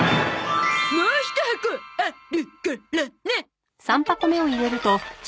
もう一箱あるからね！